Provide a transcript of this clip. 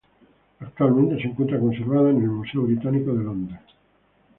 Actualmente se encuentra conservada en el Museo Británico de Londres.